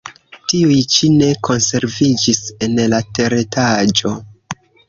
Tiuj ĉi ne konserviĝis en la teretaĝo.